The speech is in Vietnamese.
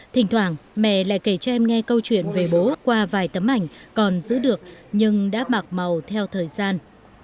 thỉnh thoảng mẹ lại kể cho em nghe câu chuyện về bố qua vài tấm ảnh còn giữ được nhưng đã mặc màu theo thời gian